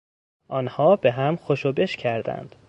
آنها بهم خوش و بش کردند.